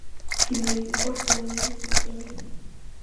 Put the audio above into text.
მე მიყვარს ვანილის ნაყინი.